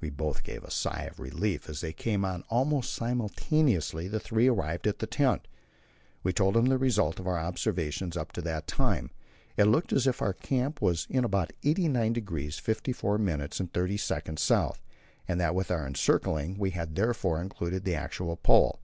We both gave a sigh of relief as they came on; almost simultaneously the three arrived at the tent. We told them the result of our observations up to that time; it looked as if our camp was in about 89° 54' 30'' S., and that with our encircling we had therefore included the actual Pole.